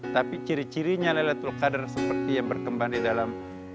tapi ciri cirinya laylatul qadar seperti yang berkembang di dalam